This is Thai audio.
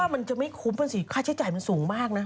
มันจะไม่คุ้มกันสิค่าใช้จ่ายมันสูงมากนะ